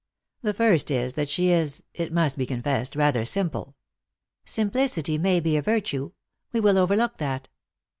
" The first is, that she is, it must be confessed, rather simple." " Simplicity may be a virtue. We will overlook that."